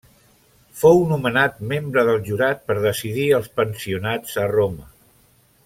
Fou nomenat membre del jurat per decidir els pensionats a Roma.